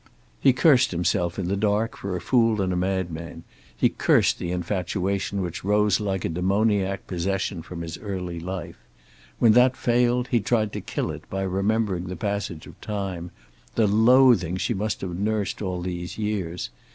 He cursed himself in the dark for a fool and a madman; he cursed the infatuation which rose like a demoniac possession from his early life. When that failed he tried to kill it by remembering the passage of time, the loathing she must have nursed all these years.